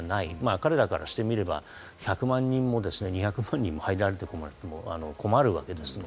彼らからしてみれば、１００万人も２００万人も入られても困るわけです。